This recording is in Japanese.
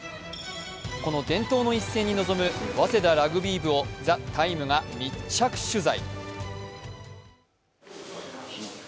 この伝統の一戦に臨む早稲田ラグビー部を「ＴＨＥＴＩＭＥ，」が密着取材。